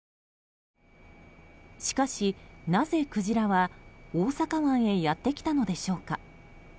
しかしなぜ、クジラは大阪湾へやってきたのでしょうか。